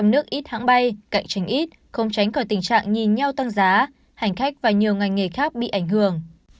nước ít hãng bay cạnh tranh ít không tránh khỏi tình trạng nhìn nhau tăng giá hành khách và nhiều ngành nghề khác bị ảnh hưởng